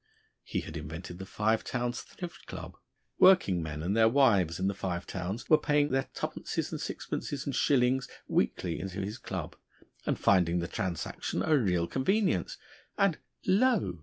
He had invented the Five Towns Thrift Club; working men and their wives in the Five Towns were paying their two pences, and sixpences, and shillings weekly into his Club, and finding the transaction a real convenience and lo!